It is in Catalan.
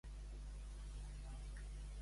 Ser una catracòlica.